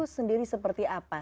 sendiri seperti apa